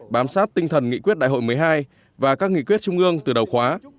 bám sát tinh thần nghị quyết đại hội một mươi hai và các nghị quyết trung ương từ đầu khóa